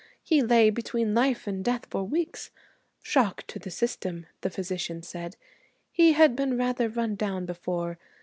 He lay between life and death for weeks. Shock to the system, the physician said. He had been rather run down before.